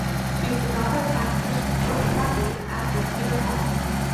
She is the daughter of actress Brooke Bundy and actor Peter Helm.